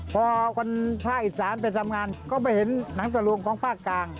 พอคนภาคอีสานไปทำงานก็ไปเห็นหนังตะลุงของภาคกลาง